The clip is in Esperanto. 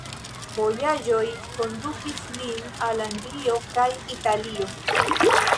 Vojaĝoj kondukis lin al Anglio kaj Italio.